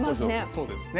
そうですね。